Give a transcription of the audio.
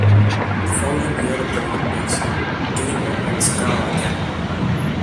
The following year, at the Olympics, Chelimo met Skah again.